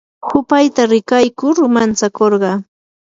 hupayta rikaykush mantsakurqa.